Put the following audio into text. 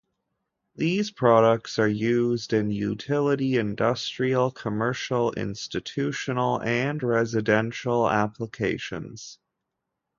These products are used in utility, industrial, commercial, institutional, and residential applications.